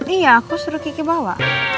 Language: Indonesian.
iya aku suruh kiki bawa